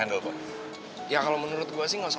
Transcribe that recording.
ada yang kasih